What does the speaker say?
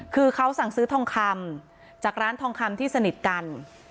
คือเขาสั่งซื้อทองคำจากร้านทองคำที่สนิทกัน